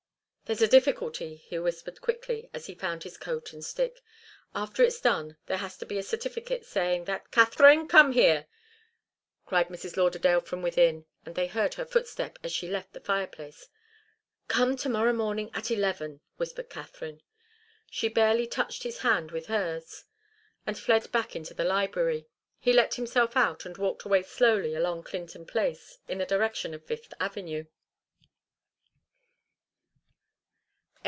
"There's a difficulty," he whispered quickly as he found his coat and stick. "After it's done there has to be a certificate saying that " "Katharine! Come here!" cried Mrs. Lauderdale from within, and they heard her footstep as she left the fireplace. "Come to morrow morning at eleven," whispered Katharine. She barely touched his hand with hers and fled back into the library. He let himself out and walked slowly along Clinton Place in the direction of Fifth Avenue.